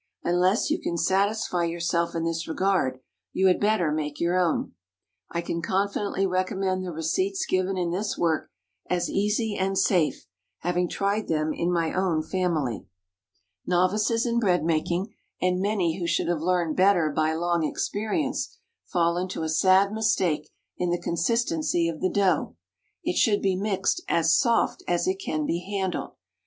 Unless you can satisfy yourself in this regard, you had better make your own. I can confidently recommend the receipts given in this work as easy and safe, having tried them in my own family. Novices in bread making, and many who should have learned better by long experience, fall into a sad mistake in the consistency of the dough. It should be mixed as soft as it can be handled.